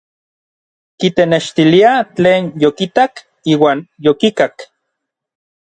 Kitenextilia tlen yokitak iuan yokikak.